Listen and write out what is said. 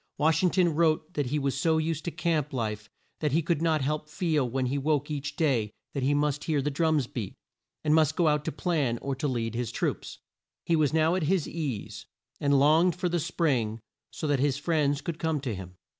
Wash ing ton wrote that he was so used to camp life that he could not help feel when he woke each day that he must hear the drums beat, and must go out to plan or to lead his troops. He was now at his ease, and longed for the spring so that his friends could come to him.